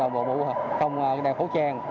không đeo khẩu trang